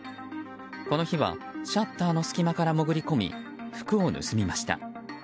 この日はシャッターの隙間から潜り込み服を盗みました。